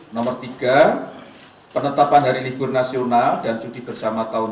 nomor tiga penetapan hari libur nasional dan cuti bersama tahun dua ribu dua puluh